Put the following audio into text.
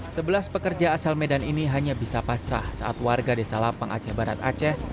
sebelas pekerja asal medan ini hanya bisa pasrah saat warga desa lapang aceh barat aceh